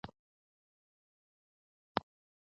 نجونې هڅه وکړي، ځکه زده کړه د ټولنیزې همکارۍ فضا جوړوي.